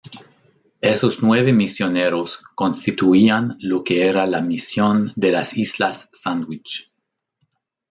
Esos nueve misioneros constituían lo que era la misión de las Islas Sandwich.